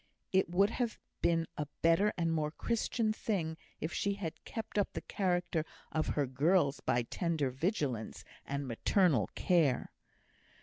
It would have been a better and more Christian thing, if she had kept up the character of her girls by tender vigilance and maternal care.